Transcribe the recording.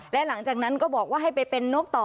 และหลังจากนั้นก็บอกว่าให้ไปเป็นนกต่อ